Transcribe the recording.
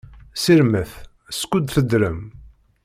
Ssirmet, skud teddrem!